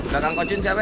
belakang kocin siapa ya